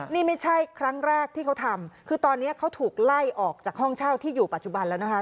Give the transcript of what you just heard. นี่ไม่ใช่ครั้งแรกที่เขาทำคือตอนนี้เขาถูกไล่ออกจากห้องเช่าที่อยู่ปัจจุบันแล้วนะคะ